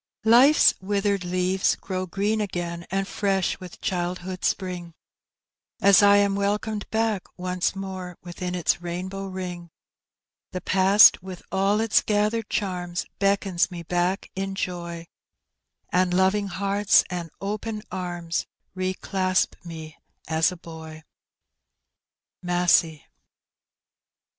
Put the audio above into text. Life's withered leaves grow green again and fresh with childhood's spriDg, As I am welcomed back once mofe within its rainbow ring ; The pasty with all its gathered charms, beckons me back in joy, And loving hearts and open arms re clasp me as a boy. Masset.